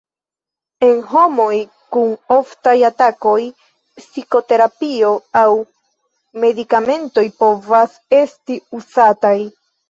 En homoj kun oftaj atakoj, psikoterapio aŭ medikamentoj povas esti uzataj.